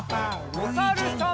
おさるさん。